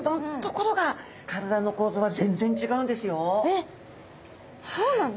えっそうなの？